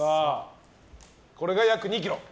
これが約２ｋｇ。